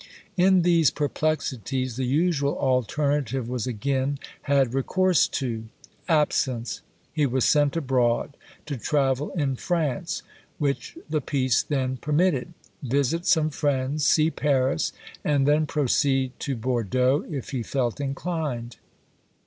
In these perplexities, the usual alternative was again had recourse to absence; he was sent abroad, to travel in France, which the peace then permitted, visit some friends, see Paris, and then proceed to Bordeaux if he felt inclined.